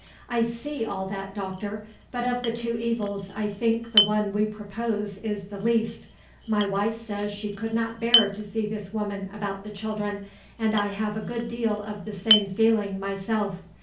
"I see all that, doctor, but of the two evils I think the one we propose is the least. My wife says she could not bear to see this woman about the children, and I have a good deal of the same feeling myself.